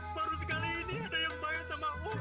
baru sekali ini ada yang bayang sama om